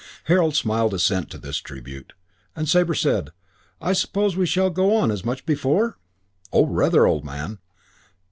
Harold smiled assent to this tribute, and Sabre said, "I suppose we shall go on much as before?" "Oh, rather, old man."